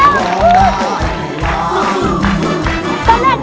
ได้แล้วได้แล้ว